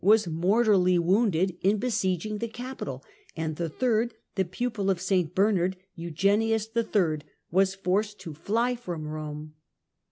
was mortally wounded in besieging the Capitol, and the third, the pupil of St Bernard, Eugenius III., was forced to fly from Eome.